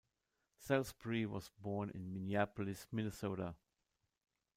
Salisbury was born in Minneapolis, Minnesota.